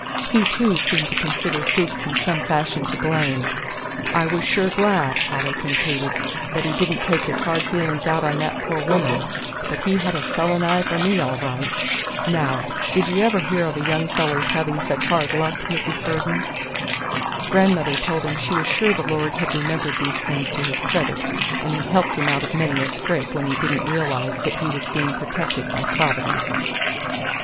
He, too, seemed to consider Fuchs in some fashion to blame. "I was sure glad," Otto concluded, "that he did n't take his hard feeling out on that poor woman; but he had a sullen eye for me, all right! Now, did you ever hear of a young feller's having such hard luck, Mrs. Burden?" Grandmother told him she was sure the Lord had remembered these things to his credit, and had helped him out of many a scrape when he did n't realize that he was being protected by Providence.